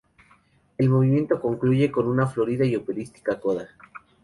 El movimiento concluye con una florida y operística coda.